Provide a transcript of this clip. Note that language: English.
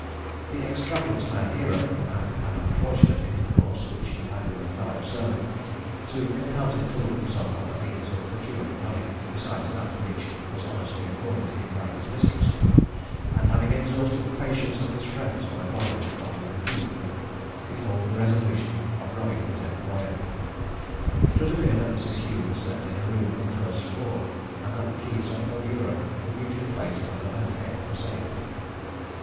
The extravagance of our hero, and an unfortunate intercourse which he had with a fellow servant, soon compelled him to look for some other means of procuring money, besides that which was honestly afforded him by his mistress; and having exhausted the patience of his friends by borrowing from them repeatedly, he formed the resolution of robbing his employer. It would appear that Mrs. Hume slept in a room on the first floor, and that the keys of her bureau were usually placed under her head for safety.